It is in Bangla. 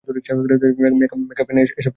মেক-আপ, ফ্যাশন এসব কি জন্য?